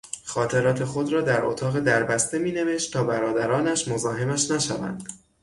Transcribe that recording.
خاطرات خود را در اتاق دربسته می نوشت تا برادرانش مزاحمش نشوند.